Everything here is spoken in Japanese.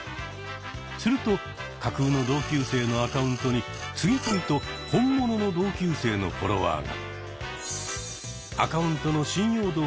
すると架空の同級生のアカウントに次々と本物の同級生のフォロワーが！